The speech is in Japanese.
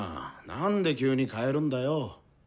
なんで急に変えるんだよ？